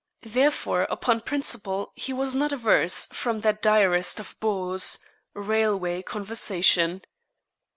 Therefore upon principle he was not averse from that direst of bores, railway conversation.